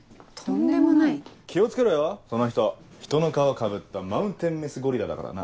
気を付けろよその人人の皮かぶったマウンテンメスゴリラだからな。